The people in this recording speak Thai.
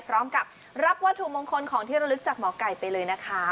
พร้อมกับรับวัตถุมงคลของที่ระลึกจากหมอไก่ไปเลยนะคะ